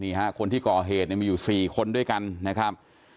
คนที่ก่อเหตุเนี่ยมีอยู่๔คนด้วยกันนะครับ